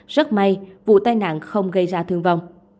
rất may vụ tai nạn không gây ra thương vong